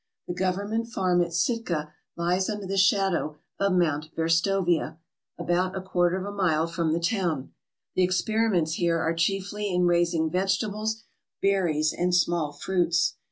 The government farm at Sitka lies under the shadow of Mount Verstovia, about a quarter of a mile from the town. The experiments here are chiefly in raising vegetables, berries, and small fruits.